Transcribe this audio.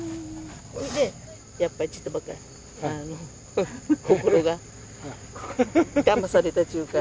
それでやっぱりちょっとばかりあの心がだまされたっちゅうか。